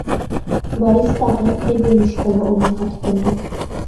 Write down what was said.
Борис тағы «Рябинушка»ны уйнарға тотондо.